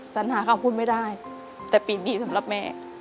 สัญหาเขาพูดไม่ได้แต่ปีดีสำหรับแม่